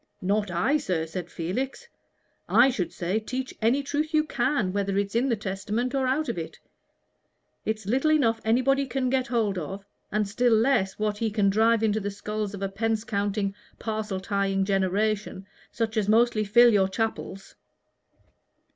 "Not I, sir," said Felix; "I should say, teach any truth you can, whether it's in the Testament or out of it. It's little enough anybody can get hold of, and still less what he can drive into the skulls of a pence counting, parcel tying generation, such as mostly fill your chapels."